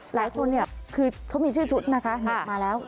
หลายคนเนี่ยคือเขามีชื่อชุดนะคะเด็กมาแล้ว